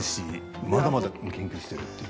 まだまだ研究していると。